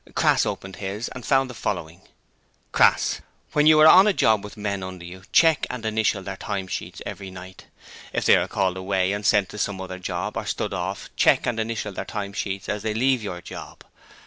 Crass opened his and found the following: Crass When you are on a job with men under you, check and initial their time sheets every night. If they are called away and sent to some other job, or stood off, check and initial their time sheets as they leave your job.